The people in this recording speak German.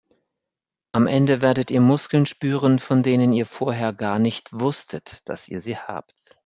Am Ende werdet ihr Muskeln spüren, von denen ihr vorher gar nicht wusstet, dass ihr sie habt.